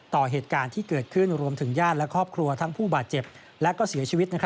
ต่อเหตุการณ์ที่เกิดขึ้นรวมถึงญาติและครอบครัวทั้งผู้บาดเจ็บและก็เสียชีวิต